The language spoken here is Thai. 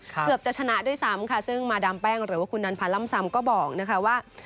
เกือบจะชนะด้วยซ้ำค่ะซึ่งมาดามแป้งหรือว่าคุณนันพันธ์ล่ำซำก็บอกนะคะว่า